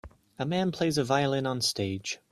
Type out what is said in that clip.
A man plays the violin on stage